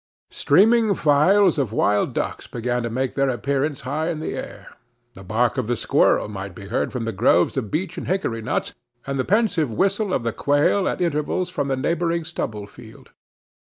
Streaming files of wild ducks began to make their appearance high in the air; the bark of the squirrel might be heard from the groves of beech and hickory nuts, and the pensive whistle of the quail at intervals from the neighboring stubble field.